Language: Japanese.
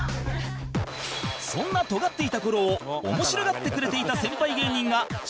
そんなトガっていた頃を面白がってくれていた先輩芸人が証言